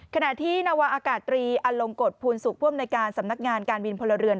ขณะที่นวะอากาศตรีอลงกฎภูลสุขผู้อำนวยการสำนักงานการบินพลเรือน